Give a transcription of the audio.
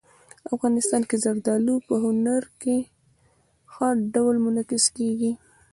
افغانستان کې زردالو په هنر کې په ښه ډول منعکس کېږي.